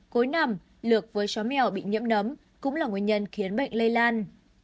cối nằm lược với chó mèo bị nhiễm nấm cũng là nguyên nhân khiến bệnh lây lan